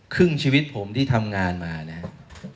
ชีวิตผมที่ทำงานมานะครับ